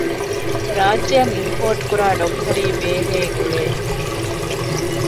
ރާއްޖެއަށް އިމްޕޯޓްކުރާ ޑޮކްޓަރީ ބޭހޭގުޅޭ